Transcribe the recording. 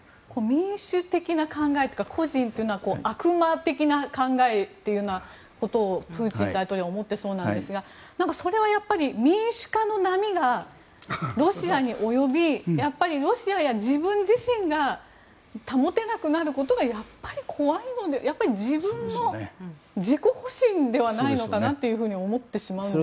民主的な考えというか個人というのは悪魔的な考えということをプーチン大統領は思ってそうなんですがそれは民主化の波がロシアに及びやっぱりロシアや自分自身が保てなくなることがやっぱり怖いので自分の自己保身ではないのかなと思ってしまうんですが。